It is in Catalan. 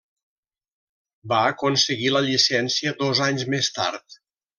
Va aconseguir la llicència dos anys més tard.